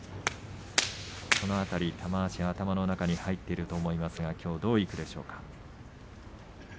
その辺り、玉鷲、頭の中に入っていると思いますがきょうはどういくでしょうか。